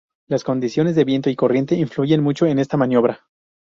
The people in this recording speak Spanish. Las condiciones de viento y corriente influyen mucho en esta maniobra.